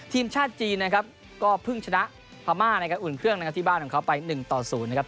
ทีมชาติจีนนะครับก็เพิ่งชนะพามาในการอุ่นเครื่องที่บ้านของเขาไป๑๐นะครับ